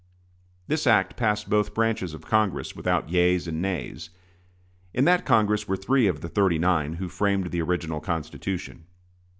This act passed both branches of Congress without yeas and nays. In that Congress were three of the "thirty nine" who framed the original Constitution.